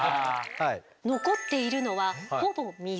残っているのはほぼ水。